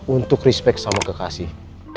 untuk respect sama kekasih